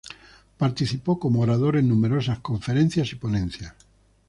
Participó como orador en numerosas conferencias y ponencias.